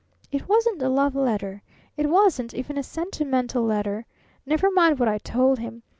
It wasn't a love letter. It wasn't even a sentimental letter. Never mind what I told him.